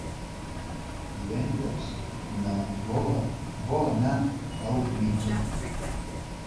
Divendres na Lola vol anar al metge.